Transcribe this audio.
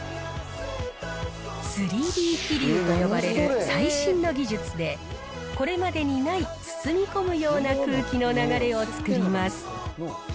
３Ｄ気流と呼ばれる最新の技術で、これまでにない包み込むような空気の流れを作ります。